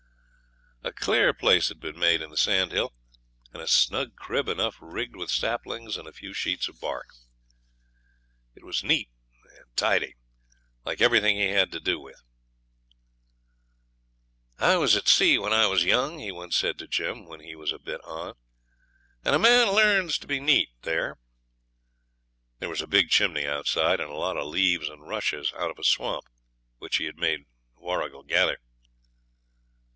A clear place had been made in the sandhill, and a snug crib enough rigged with saplings and a few sheets of bark. It was neat and tidy, like everything he had to do with. 'I was at sea when I was young,' he once said to Jim, when he was a bit 'on', 'and a man learns to be neat there.' There was a big chimney outside, and a lot of leaves and rushes out of a swamp which he had made Warrigal gather.